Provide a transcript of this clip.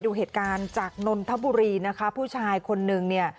ดูเหตุการณ์จากนนทบุรีนะคะผู้ชายคนนึงเนี่ย